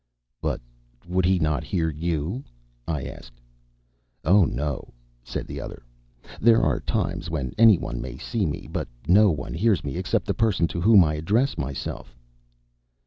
"But would he not hear you?" I asked. "Oh, no!" said the other: "there are times when anyone may see me, but no one hears me except the person to whom I address myself."